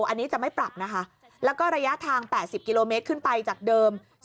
อันนี้จะไม่ปรับนะคะแล้วก็ระยะทาง๘๐กิโลเมตรขึ้นไปจากเดิม